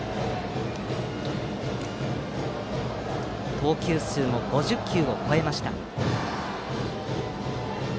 投球数も５０球を超えました。